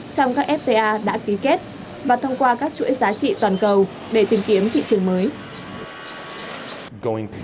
trong các fta đã ký kết và thông qua các chuỗi giá trị toàn cầu để tìm kiếm thị trường mới